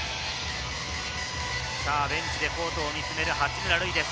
ベンチでコートを見つめる八村塁です。